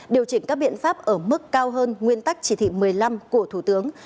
điều chỉnh các biện pháp ở mức cao hơn nguyên tắc chỉ thị một mươi năm của thủ tướng